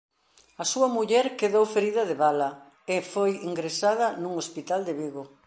A súa muller quedou ferida de bala e foi ingresada nun hospital de Vigo.